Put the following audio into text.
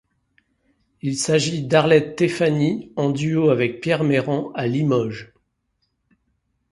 Il s'agit d'Arlette Téphany, en duo avec Pierre Meyrand, à Limoges.